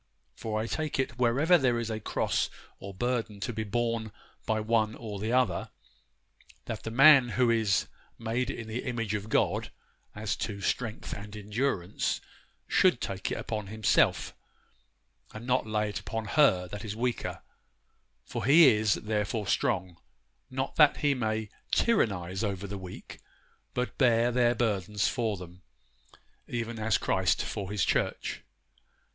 For I take it, wherever there is a cross or burden to be borne by one or the other, that the man who is made in the image of God, as to strength and endurance, should take it upon himself, and not lay it upon her that is weaker; for he is therefore strong, not that he may tyrannize over the weak, but bear their burdens for them, even as Christ for His church.